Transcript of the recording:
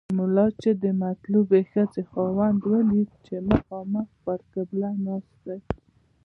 ملا چې د مطلوبې ښځې خاوند ولید چې مخامخ پر قبله ناست دی.